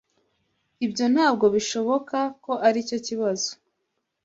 Ibyo ntabwo bishoboka ko aricyo kibazo.